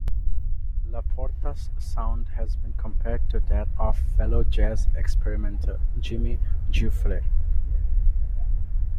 LaPorta's sound has been compared to that of fellow jazz experimenter Jimmy Giuffre.